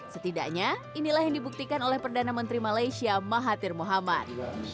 setidaknya inilah yang dibuktikan oleh perdana menteri malaysia mahathir muhammad